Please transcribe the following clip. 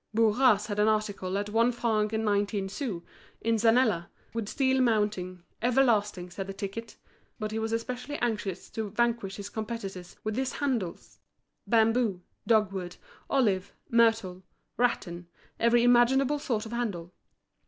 Bourras had an article at one franc and nineteen sous, in zanella, with steel mounting, everlasting, said the ticket, But he was especially anxious to vanquish his competitors with his handles—bamboo, dogwood, olive, myrtle, rattan, every imaginable sort of handle.